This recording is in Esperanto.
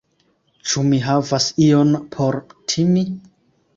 Ĉu mi havas ion por timi?